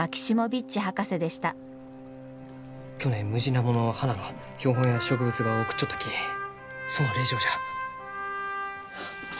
去年ムジナモの花の標本や植物画を送っちょったきその礼状じゃ。